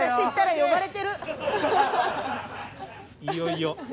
いよいよ。